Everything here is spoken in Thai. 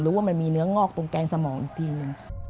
รู้ว่ามันมีเนื้องอกตรงแกนสมองจริง